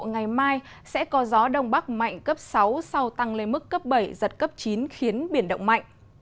ngày mai sẽ có gió đông bắc mạnh cấp sáu sau tăng lên mức cấp bảy giật cấp chín khiến biển động mạnh